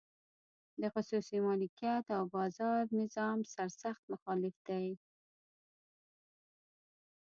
د خصوصي مالکیت او بازار نظام سرسخت مخالف دی.